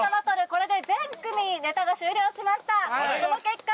これで全組ネタが終了しましたその結果